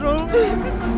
kau belah la lu